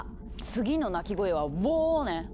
次の鳴き声は「ウォー！」ね。